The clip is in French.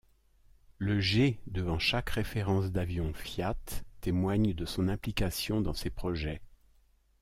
Le G devant chaque référence d'avion Fiat témoigne de son implication dans ces projets.